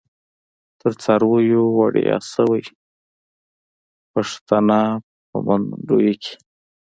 تر څارویو وړیاشوی، پیښتنه په منډوی کی